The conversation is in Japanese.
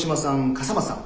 笠松さん